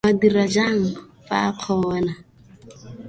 O ne a dira jalo fa a kgona.